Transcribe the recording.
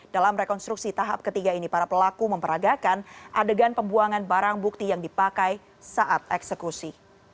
dalam rekonstruksi tahap ketiga ini para pelaku memperagakan adegan pembuangan barang bukti yang dipakai saat eksekusi